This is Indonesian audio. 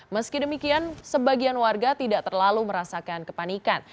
meski demikian sebagian warga tidak terlalu merasakan kepanikan